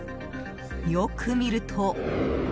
よく見ると。